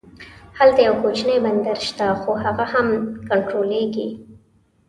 هلته یو کوچنی بندر شته خو هغه هم کنټرولېږي.